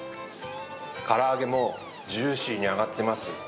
から揚げもジューシーに揚がってます。